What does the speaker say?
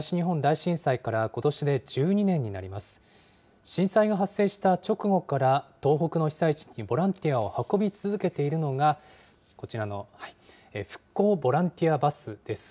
震災が発生した直後から、東北の被災地にボランティアを運び続けているのが、こちらの復興ボランティアバスです。